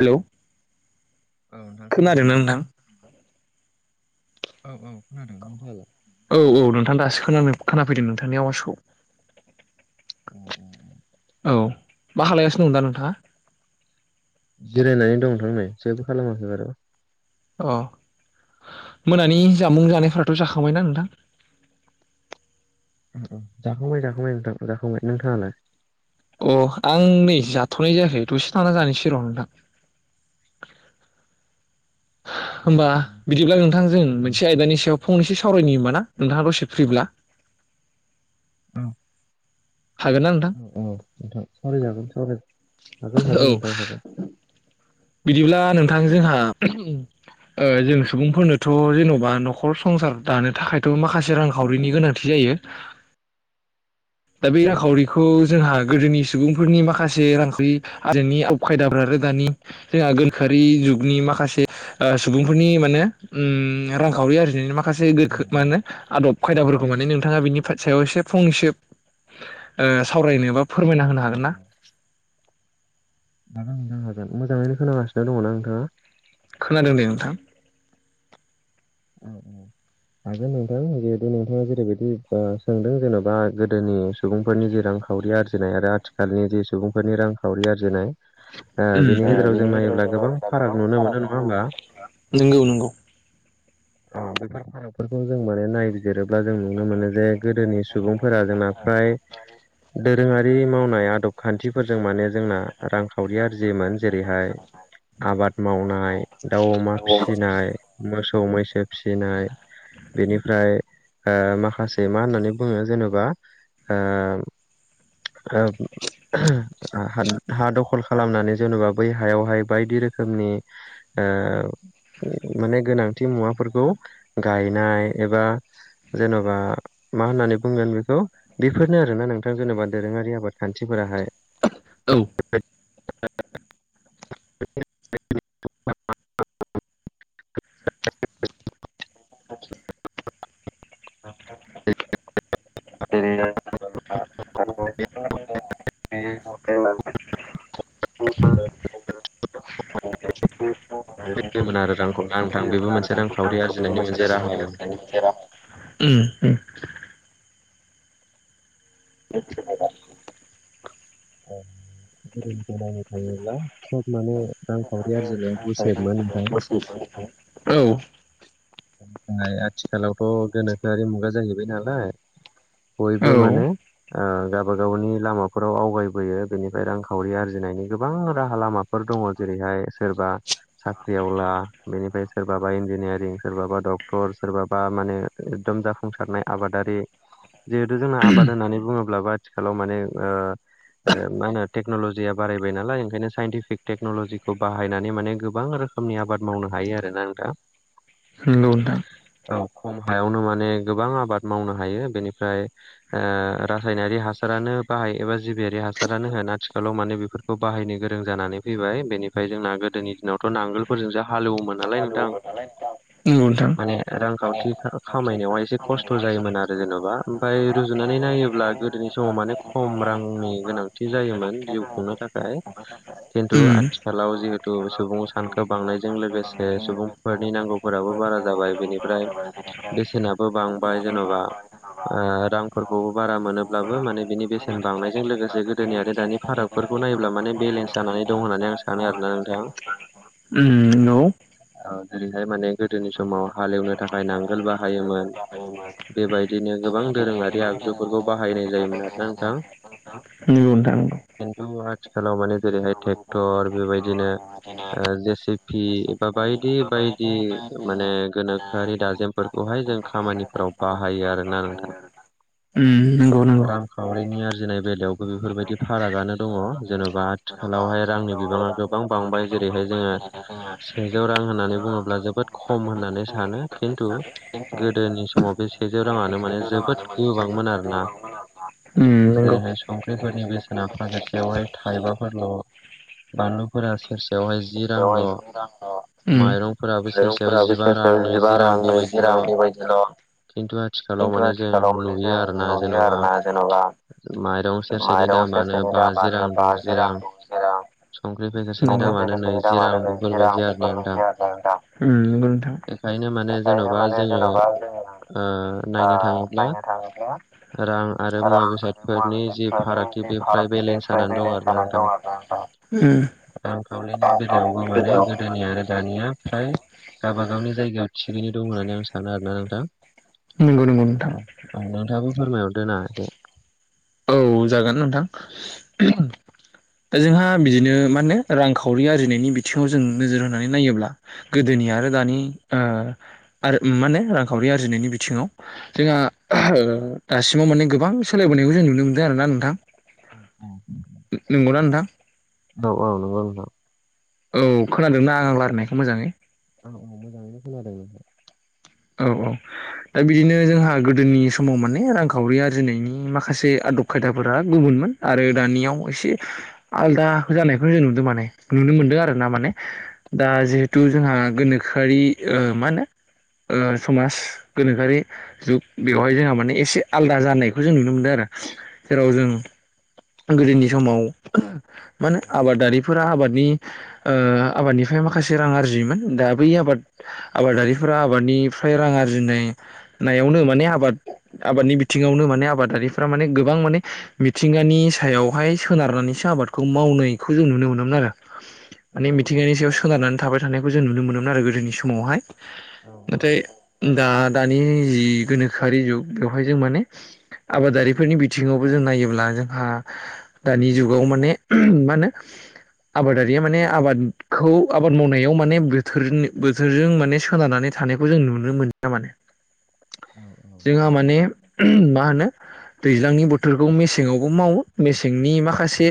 Hello. औ नोंथां खोनादोंना खोनादोंंना? नोंथां औ औ खोनादों नोथाङालाय? औ औ नोंथां दासो खोनादों खोनाफैदो नोंथांनि आवासखौ। [inaudible] औ मा खालायगासिनो दं दा नोंथाङा? जिरायनानै दं नोंथांनाय जेबो खालामाखै बार' अ मोनानि जामुं जानायफोराथ जाखांबायना नोंथां? जाखांबाय जाखांबाय नोंथां जाखांबाय नोंथाङालाय? अ आं नै जाथनाय जायाखै दसे थाना जानोसै र नोंथां। होनबा बिदिब्ला। नोंथां जों मोनसे आयदानि सायाव फंनैसो सावरायनो होनबा ना नोंथाङा दसे फ्रिब्ला। औ। हागोन ना नोंथां औ औ नोंथां सावराय जागोन सावराय जागोन औ हागोन नोंथां हागोन। बिदिब्ला औ नोंथां जोंहा। जों सुबुंफोरनोथ जेनबा नखर संसार दानो थाखायथ माखासे रांखावरिनि गोनांथि। जायो। दा बे औ रांखावरिखौ जोंहा। गोदोनि सुबुंफोरनि माखासे रांखरि आदब खायदाफ्रा आरो दानि जोंहा गोनोखोयारि जुगनि माखासे सुबुंफोरनि माने ओ रांखावरि आरो माखा। माखासे औ गोखो मा होनो आदब खायदाफोरखौ माने नोंथाङा बिनि सायाव एसे फंनैसे। ओ सावरायनो बा फोरमायना होनो औ हागोन ना? औ हागोन नोंथां हागोन मोजाङैनो खोनागासिनो दङना नोंथाङा। खोनादों दे नोंथां। औ औ। हागोन नोंथां जिहेथु नोंथाङा जेरैबायदि बा सोंदों जेनबा गोदोनि सुबुंफोरनि जेरां। रांखावरि आरजिनाय आरो आथिखालनि जे सुबुंफोरनि रांखावरि आरजिनाय ओ उम बिनि उम गेजेराव जों नायोब्ला गोबां फाराग नुनो मोनो नङा होमबा। नंगौ नंगौ अ बेफोर फाराखफोरखौ जों माने नाय। जेरोब्ला जों नुनो मोनो जे गोदोनि सुबुंफोरा जोंना फ्राय दोरोङारि मावनाय आदब खान्थिफोरजों माने जोंना रांखावरि आरजिमोन जेरैहाय आबाद मावनाय दाउ अमा फिसिनाय मोसौ मैसो फिसिनाय। बेनिफ्राय माखासे ओ मा होननानै बुङो जेनेबा। ओ आ हा दखल खालामनानै जेनबा बै हायावहाय बायदि रोखोमनि ओ। माने गोनांथि मुवाफोरखौ गायनाय एबा जेनबा मा होननानै बुंगोन बेखौ बेफोरनो आरोना नोंथां जेनबा। दोरोङारि आबाद खान्थिफोराहाय। औ। [inaudible] आतसा [inaudible] [unintelligible] [unintelligible] होयोमोन आरो रांखौ ना नोंथां [unintelligible] बेबो मोनसे रांखावरि आरजिनायनि मोनसे राहामोन उम उम। [unintelligible] आ। नायनो थाङोब्ला खोब माने रांखावरि आरजिनाय गुसेबमोन नोंथां औ ओमफ्राय आथिखालावथ गोनोखोआरि मुगा जाहैबाय नालाय औ बयबो माने ओ गावाबागावनि लामाफोराव आवगायबोयो बेनिफ्राय रांखावरि आरजिनायनि गोबां राहा लामाफोर दं दङ जेरैहाय सोरबा साख्रिआव ला बेनिफ्राय सोरबाबा इन्जिनियारिं सोरबाबा डक्टर सोरबाबा माने एकदम जाफुंसारनाय आबादारि जिहेथु जोंना आबाद होननानै बुङोब्लाबो आथिखालाव माने मा होनो टेकनल'जिया बारायबाय नालाय ओंखायनो साइनटिफिक टेक्न'लजिखौ बाहायनानै माने गोबां रोखोमनि आबाद मावनो हायो आरोना ना नोंथां नोंगौ नोंथां खम हयावनो माने गोबां आबाद मावनो हायो बेनिफ्राय रसायनारि हासार बाहाय एबा जिबियारि हासारानो होन आथिखालाव माने बेफोरखौ बाहायनो गोरों जानानै फैबाय बेनिफ्राय जों जोंना गोदोनि दिनावथ' नांगोलफोरजों ज हालेवोमोन नालाय नोंथां नंगौ नोंथां माने रांखावथि खामायनायावहाय एसे खस्थ' खस्थ' जायोमोन आरो जेन'बा ओमफ्राय रुजुनानै नायोब्ला गोदोनि समाव माने खम रांनि गोनांथि जायोमोन जिउ खुंनो थाखाय खिन्थु उम आथिखालाव जिहेथु सुबुं सानखो बांनायजों लोगोसे सुबुंफोरनि नांगौ नांगोफोराबो बारा जाबाय बेनिफ्राय बेसेनाबो बांबाय जेन'बा रांफोरखौ बारा मोनोब्लाबो माने बिनि बेसेन बांनायजों लोगोसे गोदोनि आरो दानि फारागकफोर खौ नायोब्ला माने बेलेन्स जानानै दं होननानै आं सानो आरोना नोंथाङा उम न जेरैहाय माने गोदोनि समाव हालेवनो थाखाय नांगोल बाहायोमोन बेबायदिनो गोबां दोरोङारि आगजुफोरखौ बाहायनाय जायोमोन आरोा नोंथां नंगौ नोंथां नांगौ थ आथिखालाव माने जेरैहाय ट्रेक्टर बेबायदिनो जेसिपि एबा बायदि बायदि माने गोनोखोआरि दाजेमफोरखौहाय जों खामानिफोराव बाहायो आरोना नोंथां औ नंगौ उम नंगौ रांखावरिनि आरजिनाय बेलायावबो बेफोरबायदि फारागानो दङ जेन'बा आथिखालावहाय रांनि बिबाङा गोबां बांबाय जेरैहाय जोङो सेजौ रां होननानै बुङोब्ला जोबोद खम होननानै सानो खिन्थु गोदोनि समाव बे सेजौ राङानो माने जोबोद गोबांमोन आरोना नोंगौ बेफोरनि बेसेना फानेरसेयावहाय थाइबाफोरल' बानलुफोरा सेरसेयावहाय जि रांल' औ माइरंफोराबो सेरसेयाव फोर जिबा बिसेस रां जिबा नैजि रां नैजि बेबायदिल' रां बेबायदिल' खिन्थु आथिखालाव एन्थ माने जों माल मान जे नुयो आरोना जेन'बा आरो न माइरं जेनाब सेरसेनि माइरं दामानो सेरसेनि बाजि रां दामानो द'जि बाजिरा रां दजिरा संख्रि [inaudible] ओ पेकेटसेनि नंगौ दामानो नैजि रां बेफोरबायदि आरोना नोंथां नोंथां माने बेखायनो जेन'बा माने जोङो जेन'बा जों नांग ओ नायनो आय थाङोब्ला नोंथाङा रां आरो आरो मुवा मने बेसादफोरनि जि आ फारागथि बे फ्राय सथि बेलेन्स जानानै दं बेारान आरोना नोंथां दथा ओम रांखावरिनि बेलायावबो माने गोदोनि आरो दानिया फ्राय गाबाागावनि जायगायाव थिगैनो दं होननानै आं सानो आरोना नोंथां नंगौ नंगौ नोंथां औ नोंथाङाबो फोरमायहर दो नाङ एसे औ जागोन नोंथां दा जोंहा बिदिनो मा होनो रांखावरि आरजिनायनि बिथिङाव जों नोजोर होनानै नायोब्ला गोदोनि आरो दानि ओ आरो माने रांखावरि आरजिनायनि बिथिङाव जोंहा ओ दासिमाव मानेबां सोलायबोनायखौ जों नुनो नोंदो आरोना नोंथां नंगौना नोंथां औ औ नोंगौ नोंथां औ खोनादों ना आं रायजायनायखौ मोजाङै औ औ मोजाङैनो खोनादों नोंथां औ औ दा बिदिनो जोंहा गोदोनि समाव माने रांखावरि आरजिनायनि माखासे आदब खायदाफोरा गुबुन मोन आरो दानियाव एसे आलदा जानायखौनो जों नुदों माने नुनो मोनदों आरो ना माने दा जिहेथु जोंहा गोनोखोआरि ओ मा होनो ओ समाज गोनोखोआरि जुग बेवहाय जोंहा माने एसे आलादा जानायखौ जों नुनो मोनदों आरो जेराव जों गोदोनि समाव मा होनो आबादारिफोरा आबादनि ओ आबादनिफ्राय माखासे रां आरजियोमोन दा बै आबाद आबादारिफोरा आबादनिफ्राय रां आरजिनाय नायावनो माने आबाद आबादनि बिथिङावनो माने आबादारिफोरा माने गोबां माने मिथिंगानि सायावहाय सोनारनानैसो आबादखौ मावनायखौ जों नुनो मोनोमोन आरो माने औ औ मिथिंगानि सायाव सोनारनानै थाबाय थानायखौ जों नुनो मोनोमोन आरो गोदोनि समावहाय औ नाथाय दा दानि जि गोनोखोआरि जुग बेवहाय जों माने औ आबादारिफोरनि बिथिङावबो जों नायोब्ला जोंहा दानि जुगाव माने मा होनो आबादारिया माने आबादखौ आबाद मावनायाव माने बोथोरनि बोथोरजों माने सोनारनानै थानायखौ जों नुनो मोनला माने औ औ जोंहा नंगौ माने मा होनो दैज्लांनि बोथोरखौ मेसेङावबो मावो मेसेंनि माखासे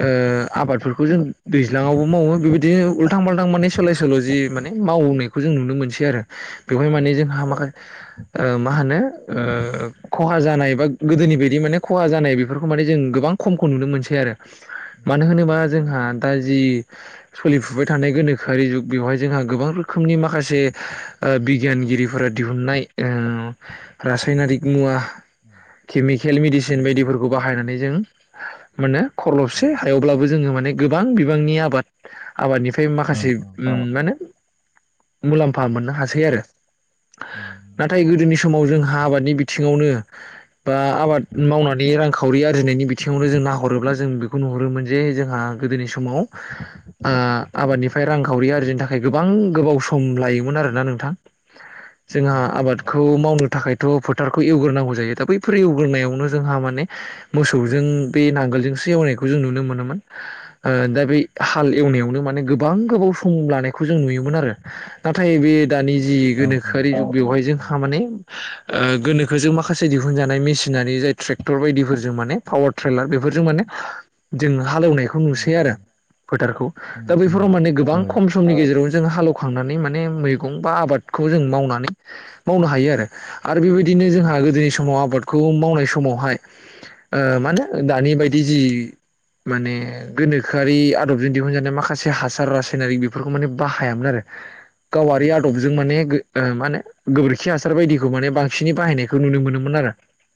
ओ आबाद आबादफोरखौ जों दैज्लाङावबो मावो बेबायदिनो उल्थां फाल्थां माने सोलाय सोल' जि माने मावनायखौ जों नुनो मोनसै सै आरो बेवहाय औ माने जों औ हाबाखारि ओ मा होनो ओ खहा जानाय बा गोदोनि बायदि माने खहा जानाय बेफोरखौ माने जों गोबां खमखौ नुनो मोनसै आरो उम मानो उम होनोबा उम जोंहा दा जि सोलिफुबाय थानाय गोनोखोआरि जुग बेवहाय जोंहा गोबां रोखोमनि माखासे ओ बिगियानगिरिफोरा दिहुननाय ओ रासायनारिक मुवा केमिकेल मेडिसिन उम बायदिफोरखौ बाहायनानै जों माने खरलबसे औ हायावब्लाबो जोङो माने गोबां बिबांनि आबाद आबादनिफ्राय माखासे जों मोनबानो [unintelligible] औ फा मोननो हासै आरो नंगौ नाथाय गोदोनि समाव जोंहा आबाद नि बिथिङावनो बा आबाद मावनानै रांखावरि आरजिनायनि बिथिङावनो जों नाहरोब्ला जों बेखौ नुहुरोमोन जे जोंहा गोदोनि समाव आ आबादनिफ्राय रांखावरि औ आरजिनो थाखाय गोबां गोबाव सम लायो मोन आरोना नोंथां जोंहा औ औ आबादखौ मावनो थाखायथ' फोद फोथारखौ एवग्रोनांगौ जायो दा बैफोर एवग्रोनावनो जोंहा माने मोसौजों बे नांगोलजोंसो एवनाय खौ जों नुनो मोनोमोन ओ दा बेै हाल एवनायावनो माने गोबां गोबाव सम लानायखौ जों नुयो दोंमोन आरो नाथाय बे दानि जि औ गोनोखोआरि जुग बेवहाय औ जोंहा माने ओ गोनो- खोजों माखासे दिहुनजानाय मेसिनारि जाय ट्रेक्टर बायदिफोरजों माने पावार ट्रलार बेफोरजों माने हालेवनायखौ उम नुसै उम आरो फोथारखौ दा उम बैफोराव ओं माने गोबां खम समनि गेजेरावनो जोङो हालेवखांनानै ने माने मैगं बा आबादखौ जों मावनानै मावनो हायो आरो आरो बेबायदिनो जोंहा गोदोनि समाव आबाद खौ मावनाय समावहाय ओ मा होनो दानि बायदि जि माने गोनोखोआरि आदबजों दिहुनजानाय माखासे हासार रासायनारि बेफोरखौ माने बाहायामोन आरो गावारि उम आदबजों माने ओ मा नो गोबोरखि हासार बायदिखौ माने बांसिनै बाहायनायखौ नुनो मोनोमोन आरो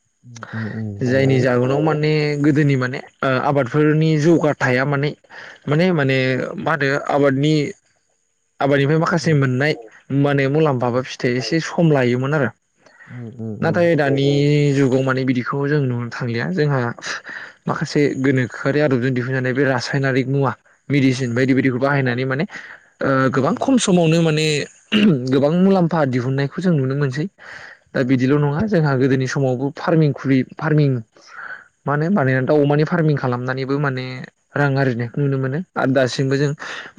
उम उम उम जायनि नंगौ जाउनाव माने गोदोनि माने आबादफोरनि जौगा थाया माने माने माने मा होनो आबाद बे आबादनिफ्राय माखासे मोननाय माने मुलाम्फाबो फिथाइ एसे सम लायोमोन आरो उम उम नाथाय उम दानि जुग आव मानि बिदिखौ जों नुनो थांलिया जोंहा माखासे गोनोखोआरि आदबजों दिहुनजानाय बे रासाइनारिक मुवा मेदिसिन बायदि बायदिखौ बाहायनानै माने गोबां खम समावनो माने गोबां मुलामफा दिहुननायखौ जों नुनो मोनसै दा औ बिदिल' नङा जोंहा गोदोनि समावबो फार्मिं खै फार्मिं मा होनो बानायनानै दाउ अमानि फारमिं खालामनानैबो माने रां आरजिनाय नुनो मोनो आरो दासिमबो जों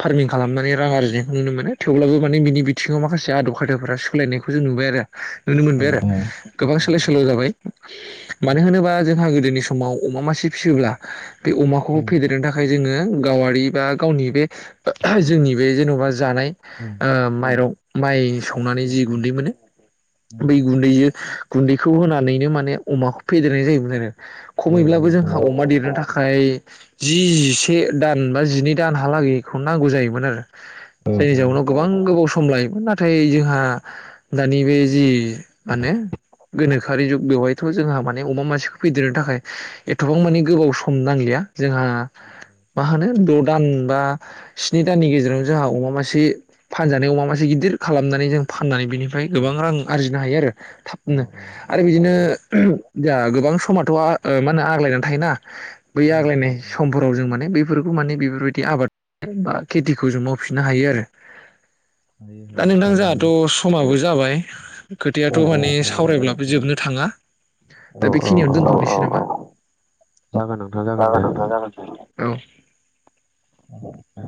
फारमिं खालामनानै रां आरजियो नुनो मोनो थेवब्लाबो माने बिनि बिथिङाव माखासे आदब खायदाफ्रा सोलायनायखौ जों नुबाय आरो नुनो औ मोनबाय उम आरो उम औ गोबां सोलाय सोल' जाबाय मानो होनोबा जोंहा गोदोनि समाव अमा मासे फिसियोब्ला बे अमाखौ फेदेरनो थाखाय जोङो गावारि बा गावनि बे जोंनि बे जेन'बा जानाय आ माइरं माइ सौनानै जि गुनदै मोनो बै गुनदैजों गुनदैखौ होनानैनो माने अमाखौ फेदेरनाय जायोमोन आरो खमैब्लाबो औ जोंहा अमा देरनो थाखाय खाय जि जिसे दान बा जिनै दानहालागैखौ नांगौ जायोमोन आरो जायनि जाउनाव गोबां गोबाव सम लायोमोन नाथाय जोंहा दानि बे जि माने गोनोखोरि जुग बेवहायथ' जोंहा माने अमा मानसिखौ फेदेरनो थाखाय एथ'बां माने गोबाव सम नांलिया जोंहा मा होनो द' दान बा स्नि दाननि गेजेराव जोंहा अमा मा मासे फानजानाय अमा मासे गिदिर खालामनानै जों फाननानै बेनिफ्राय गोबां रां आरजिनो हायो आरो औ थाबनो औ आरो बिदिनो नंगौ जाहा गोबां समाथ' मा होनो आग्लायनानै थायोना बै उम आग्लायनाय उम उम समफोराव जों माने बे बेफोरखौ माने बेफोरबायदि आबाद बा खेथिखौ जों मावफिननो हायो आरो [unintelligible] दा नोंथां हायो जोंहाथ' समाबो जाबाय औ खोथायाथ' औ माने जागोन सावरायब्लाबो जोबनो थाङा दा औ औ बेखिनियावनो अ औ अ अ जागोन नोंथां जागोन दे नोंथां जागोन औ औ औ